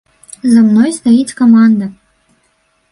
За мной стаіць каманда.